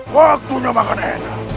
waktunya makan enak